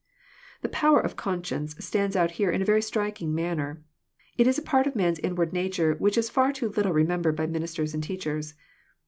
The power of conscience stands out here in a very striking manner. It is a part of man's inward nature which is far too little remembered by ministers and teachers.